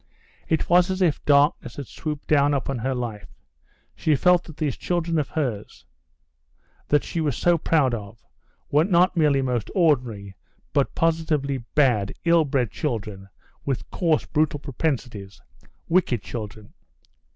It was as if darkness had swooped down upon her life; she felt that these children of hers, that she was so proud of, were not merely most ordinary, but positively bad, ill bred children, with coarse, brutal propensities—wicked children.